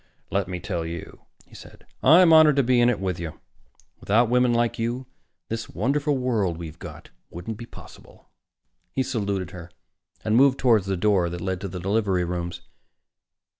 "Let me tell you," he said, "I'm honored to be in it with you. Without women like you, this wonderful world we've got wouldn't be possible." He saluted her and moved toward the door that led to the delivery rooms.